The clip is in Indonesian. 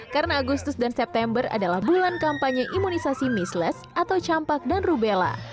karena agustus dan september adalah bulan kampanye imunisasi misles atau campak dan rubella